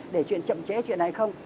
để chuyển chậm trễ chuyện này không